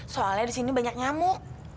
soalnya disini banyak nyamuk